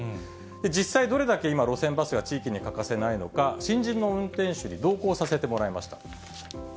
実際どれだけ今、路線バスが地域に欠かせないのか、新人の運転手に同行させてもらいました。